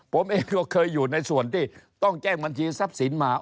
ผมเองก็เคยอยู่ในส่วนที่ต้องแจ้งบัญชีทรัพย์สินมา